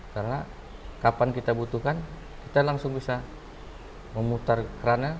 karena kapan kita butuhkan kita langsung bisa memutar kerana